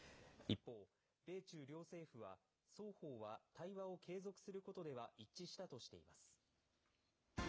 一方、米中両政府は、双方は対話を継続することでは一致したとしています。